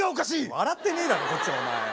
笑ってねえだろこっちはお前よ。